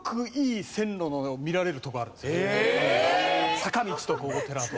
坂道とお寺と。